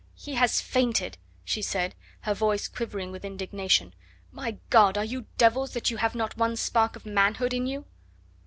"He has fainted," she said, her voice quivering with indignation. "My God! are you devils that you have not one spark of manhood in you?"